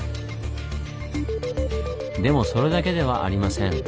でもそれだけではありません。